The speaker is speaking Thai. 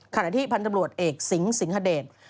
ขณะที่พันธบรวจเอกสิงสิงหเดช